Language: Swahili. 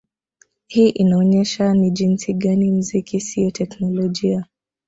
Hii inaonyesha ni jinsi gani mziki siyo teknolojia